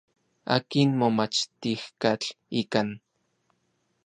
Akin momachtijkatl ikan.